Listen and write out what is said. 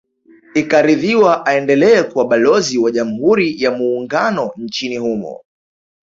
Ikaridhiwa aendelee kuwa Balozi wa Jamhuri ya Muungano nchini humo